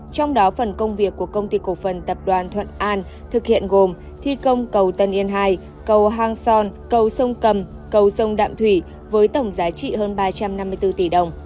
trong đó phần công việc của công ty cổ phần tập đoàn thuận an thực hiện gồm thi công cầu tân yên hai cầu hang son cầu sông cầm cầu sông đạm thủy với tổng giá trị hơn ba trăm năm mươi bốn tỷ đồng